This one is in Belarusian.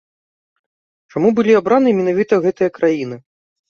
Чаму былі абраныя менавіта гэтыя краіны?